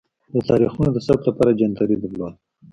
د تاریخونو د ثبت لپاره جنتري درلوده.